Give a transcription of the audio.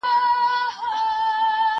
زه زده کړه نه کوم